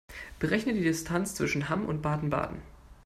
Berechne die Distanz zwischen Hamm und Baden-Baden